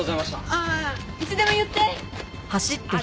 ああいつでも言って！